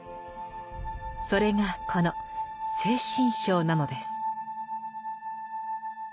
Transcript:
それがこの「精神章」なのです。